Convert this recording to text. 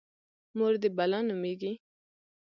_مور دې بلا نومېږي؟